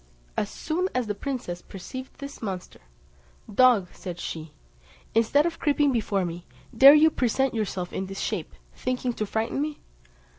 As soon as the princess perceived this monster, "Dog," said she, "instead of creeping before me, dare you present yourself in this shape, thinking to frighten me?"